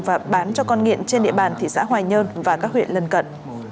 và bán cho con nghiện trên địa bàn thị xã hoài nhơn và các huyện lân cận